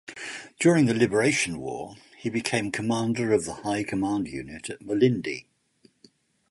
During the liberation war, he became Commander of the High Command Unit at Mulindi.